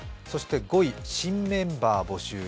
そして５位、新メンバー募集。